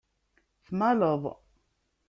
Tmaleḍ.